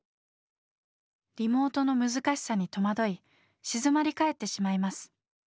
リモートの難しさに戸惑い静まり返ってしまいます。